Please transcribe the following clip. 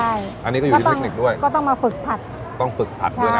ใช่อันนี้ก็อยู่ที่เทคนิคด้วยก็ต้องมาฝึกผัดต้องฝึกผัดด้วยนะ